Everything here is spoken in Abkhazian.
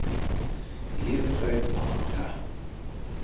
Ивҟьоит алабҟьа.